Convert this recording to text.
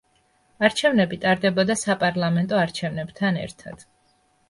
არჩევნები ტარდებოდა საპარლამენტო არჩევნებთან ერთად.